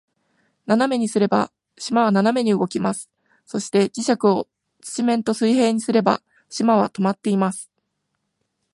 斜めにすれば、島は斜めに動きます。そして、磁石を土面と水平にすれば、島は停まっています。